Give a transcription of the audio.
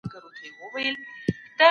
د ښه اقتصاد لپاره ښه مدیریت اړین دی.